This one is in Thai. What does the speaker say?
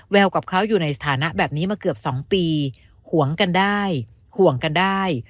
กับเขาอยู่ในสถานะแบบนี้มาเกือบ๒ปีห่วงกันได้ห่วงกันได้